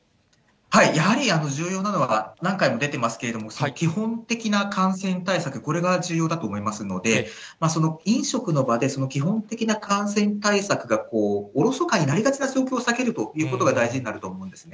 やはり重要なのは、何回も出ていますけれども、基本的な感染対策、これが重要だと思いますので、飲食の場で基本的な感染対策がおろそかになりがちな状況を避けるということが大事になると思うんですね。